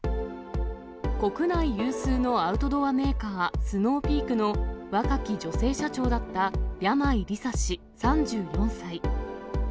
国内有数のアウトドアメーカー、スノーピークの若き女性社長だった山井梨沙氏３４歳。